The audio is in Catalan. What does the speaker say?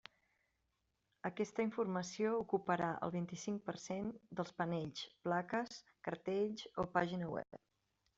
Aquesta informació ocuparà el vint-i-cinc per cent dels panells, plaques, cartells o pàgina web.